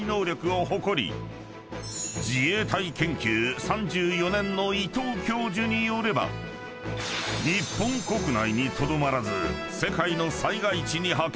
［自衛隊研究３４年の伊藤教授によれば日本国内にとどまらず］